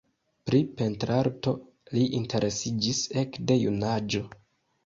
Pri pentrarto li interesiĝis ekde junaĝo.